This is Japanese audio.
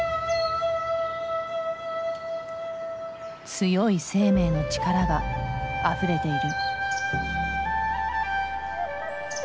強い生命の力があふれている。